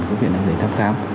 có viện nào để thăm khám